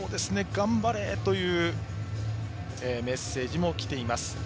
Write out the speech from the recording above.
頑張れというメッセージも来ています。